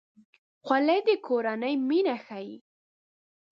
خولۍ د کورنۍ مینه ښيي.